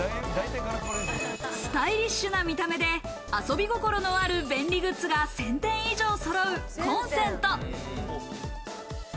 スタイリッシュな見た目で遊び心のある便利グッズが１０００点以上そろうＫＯＮＣＥＮＴ。